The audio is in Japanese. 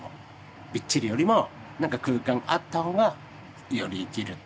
びっちりよりもなんか空間があった方がより生きる。